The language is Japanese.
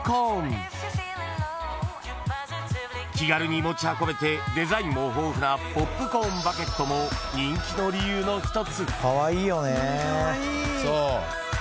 ［気軽に持ち運べてデザインも豊富なポップコーンバケットも人気の理由の一つ］